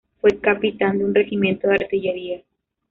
Fue capitán de un regimiento de artillería.